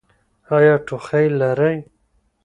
ایا ټوخی لرئ؟